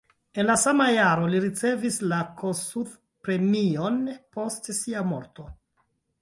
En la sama jaro li ricevis la Kossuth-premion post sia morto.